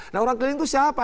nah orang keliling itu siapa